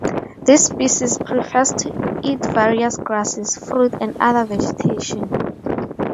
This species prefers to eat various grasses, fruit, and other vegetation.